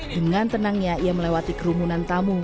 dengan tenangnya ia melewati kerumunan tamu